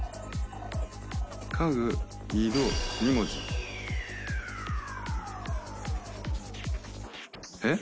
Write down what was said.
家具井戸２文字えっ？